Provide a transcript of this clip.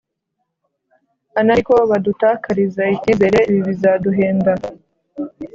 anariko badutakariza icyizere ibi bizaduhenda